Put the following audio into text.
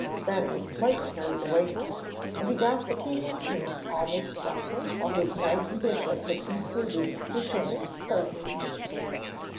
Ben was quite carried away now, and he got the king and queen all mixed up, while his knight and bishop had concluded to change places.